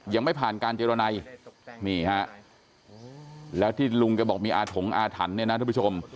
ยังไม่ผ่านการเจรนัยนี่ฮะแล้วที่ลุงแกบอกมีอาถงอาถรรพ์เนี่ยนะทุกผู้ชม